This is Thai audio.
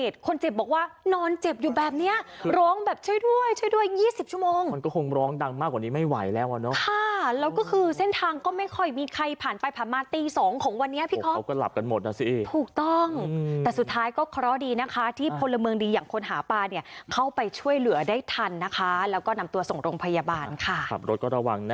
เติบจะทั้งวันแล้วนะโอ้โฮ